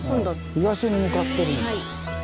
東に向かってるんだ。